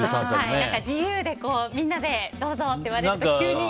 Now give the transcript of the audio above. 自由でみんなでどうぞって言われると、急に。